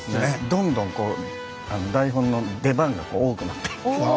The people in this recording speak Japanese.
どんどんこう台本の出番が多くなっていく。